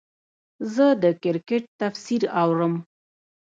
زه د کرکټ تفسیر اورم.